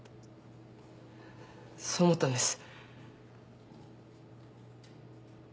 そう思ったんです。